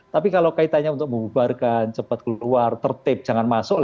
tapi kalau kaitannya untuk membubarkan cepat keluar tertib jangan masuk